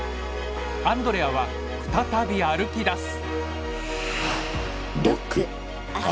アンドレアは再び歩きだす。